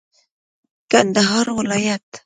کندهار ولايت